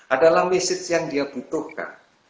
adalah mesej yang dia butuhkan